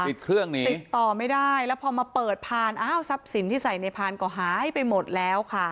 ติดต่อไม่ได้พอมาเปิดพานท์สัพสินที่ใส่ในพานท์ก็หายไปหมดแล้วค่ะ